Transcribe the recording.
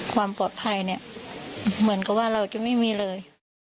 ความปลอดภัยเนี่ยเหมือนกับว่าเราจะไม่มีเลย